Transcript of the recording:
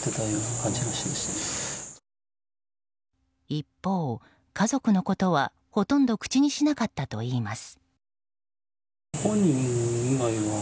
一方、家族のことはほとんど口にしなかったといいます。